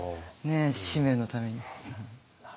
使命のために。